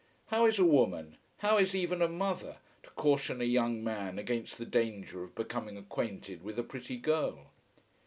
How is a woman, how is even a mother, to caution a young man against the danger of becoming acquainted with a pretty girl?